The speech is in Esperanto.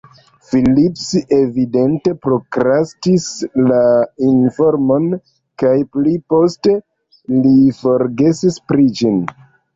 Phillips evidente prokrastis la informon kaj pli poste li forgesis pri ĝi.